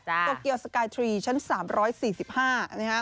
โตเกียวสกายทรีย์ชั้น๓๔๕นะครับ